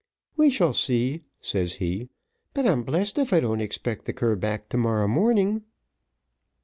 "We shall see," says he; "but I'm blessed if I don't expect the cur back to morrow morning."